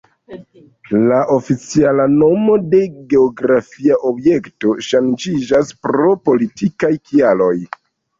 La oficiala nomo de geografia objekto ŝanĝiĝas pro politikaj kialoj.